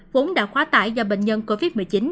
vốn đã quá tải do bệnh nhân covid một mươi chín